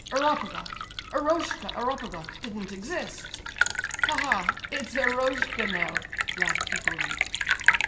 Eropegoff—Eroshka Eropegoff didn't exist!" "Ha, ha! it's Eroshka now," laughed Hippolyte.